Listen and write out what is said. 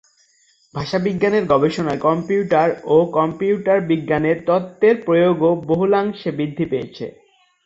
ভাষাবিজ্ঞানের গবেষণায় কম্পিউটার ও কম্পিউটার বিজ্ঞানের তত্ত্বের প্রয়োগও বহুলাংশে বৃদ্ধি পেয়েছে।